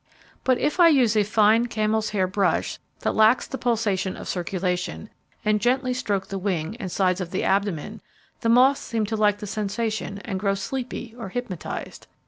But if I use a fine camel's hair brush, that lacks the pulsation of circulation, and gently stroke the wing, and sides of the abdomen, the moths seems to like the sensation and grow sleepy or hypnotized.